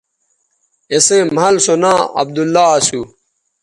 اِسئیں مَھل سو ناں عبداللہ اسو